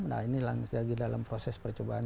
nah ini lagi dalam proses percobaan